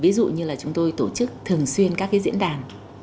ví dụ như là chúng tôi tổ chức thường xuyên các cái diễn đàn